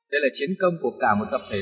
đây là chiến công của cả một tập thể